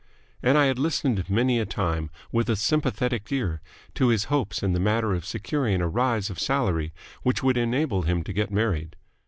And I had listened many a time with a sympathetic ear to his hopes in the matter of securing a rise of salary which would enable him to get married.